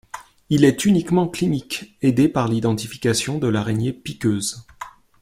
Il est uniquement clinique, aidé par l'identification de l'araignée piqueuse.